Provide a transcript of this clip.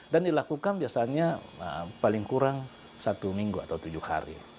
dan dilakukan biasanya paling kurang satu minggu atau tujuh hari